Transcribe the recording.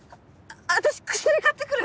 私薬買ってくる！